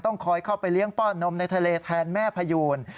คอยเข้าไปเลี้ยงป้อนนมในทะเลแทนแม่พยูน